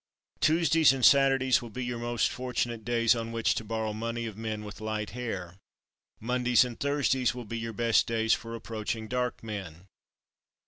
"Tuesdays and Saturdays will be your most fortunate days on which to borrow money of men with light hair. Mondays and Thursdays will be your best days for approaching dark men.